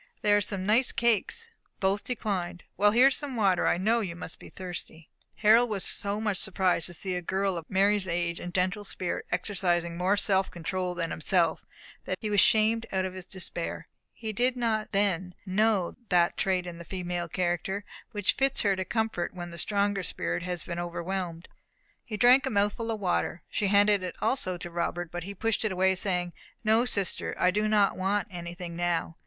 There are some nice cakes." Both declined. "Well, here is some water. I know you must be thirsty." Harold was so much surprised to see a girl of Mary's age and gentle spirit exercising more self control than himself, that he was shamed out of his despair. He did not then know that trait in the female character, which fits her to comfort when the stronger spirit has been overwhelmed. He drank a mouthful of the water. She handed it also to Robert, but he pushed it way, saying, "No, sister, I do not want anything now.